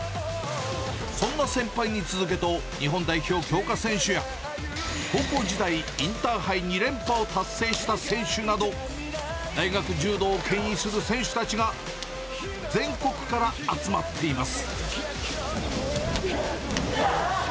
そんな先輩に続けと、日本代表強化選手や、高校時代、インターハイ２連覇を達成した選手など、大学柔道をけん引する選手たちが全国から集まっています。